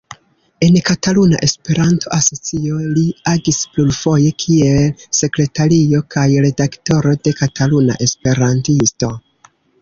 En Kataluna Esperanto-Asocio li agis plurfoje kiel sekretario kaj redaktoro de "Kataluna Esperantisto".